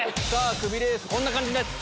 クビレースこんな感じです。